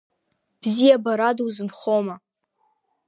Бзиабарада узынхома!